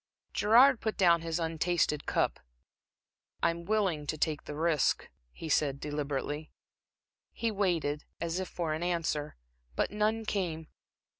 Gerard put down his untasted cup. "I'm willing to take the risk," he said, deliberately. He waited, as if for an answer, but none came.